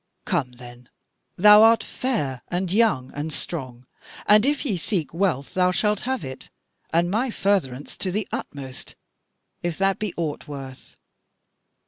Come, then, thou art fair, and young, and strong; and if ye seek wealth thou shalt have it, and my furtherance to the utmost, if that be aught worth.